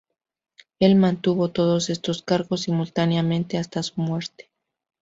Él mantuvo todos estos cargos simultáneamente hasta su muerte.